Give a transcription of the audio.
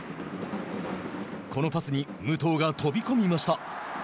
このパスに武藤が飛込みました。